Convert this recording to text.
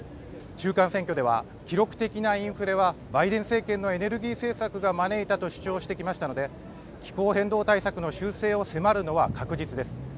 中間選挙では記録的なインフレはバイデン政権のエネルギー政策が招いたと主張してきましたので気候変動対策の修正を迫るのは確実です。